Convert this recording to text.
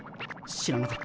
知らなかった。